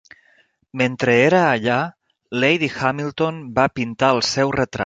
Mentre era allà, Lady Hamilton va pintar el seu retrat.